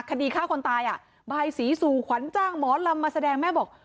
คดีฆ่าคนตายอ่ะบายศรีสู่ขวัญจ้างหมอลำมาแสดงแม่บอก